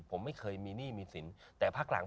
ผมไม่เคยมีหนี้มีสินแต่พักหลัง